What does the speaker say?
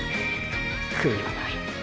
悔いはない。